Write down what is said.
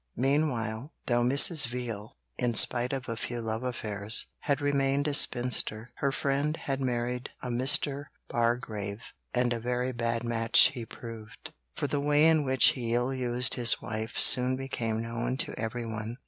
Meanwhile, though Mrs. Veal, in spite of a few love affairs, had remained a spinster, her friend had married a Mr. Bargrave, and a very bad match he proved, for the way in which he ill used his wife soon became known to everyone.